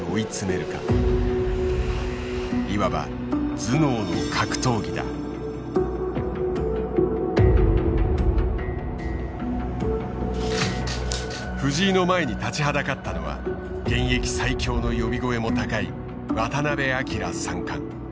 いわば藤井の前に立ちはだかったのは現役最強の呼び声も高い渡辺明三冠。